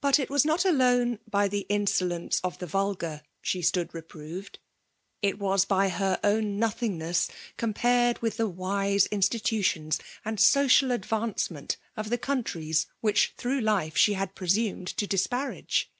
But it was not alone by the insolence of the Tulgar she stood reproved ; it was by her own nothingness compared with the wise institu tions and social adrancement of the countries wiiich through life she had presumed to dis parage.